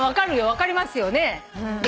分かりますよね？